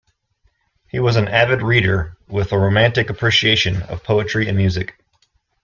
He was an avid reader with a romantic appreciation of poetry and music.